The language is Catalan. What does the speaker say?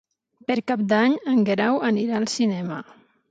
Per Cap d'Any en Guerau anirà al cinema.